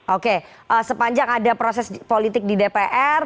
oke sepanjang ada proses politik di dpr